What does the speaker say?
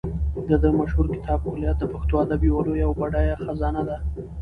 د ده مشهور کتاب کلیات د پښتو ادب یوه لویه او بډایه خزانه ده.